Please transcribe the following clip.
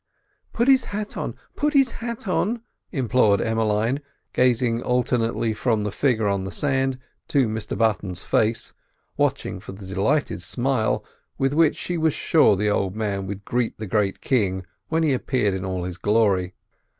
"Put his hat on, put his hat on!" implored Emmeline, gazing alternately from the figure on the sand to Mr Button's face, watching for the delighted smile with which she was sure the old man would greet the great king when he appeared in all his glory.